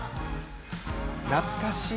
懐かしい。